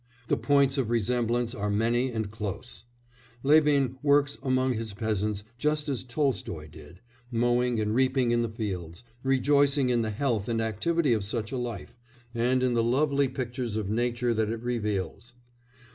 The points of resemblance are many and close; Levin works among his peasants just as Tolstoy did, mowing and reaping in the fields, rejoicing in the health and activity of such a life, and in the lovely pictures of nature that it reveals.